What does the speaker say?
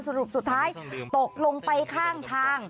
สรุปสุดท้ายตกลงไปข้างทาง